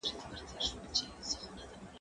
کتاب د زده کوونکي له خوا لوستل کيږي!.